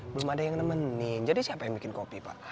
belum ada yang nemenin jadi siapa yang bikin kopi pak